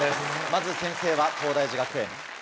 まず先制は東大寺学園。